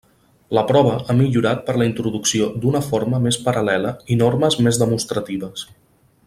La prova ha millorat per la introducció d'una forma més paral·lela i normes més demostratives.